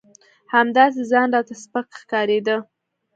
همداسې ځان راته سپک ښکارېده.